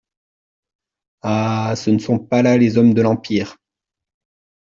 Ah ! ce ne sont pas là les hommes de l’empire.